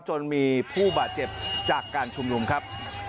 จนมีผู้บาดเจ็บจากการชุมนุมครับ